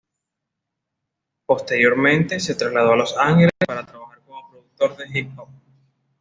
Posteriormente, se trasladó a Los Ángeles para trabajar como productor de hip-hop.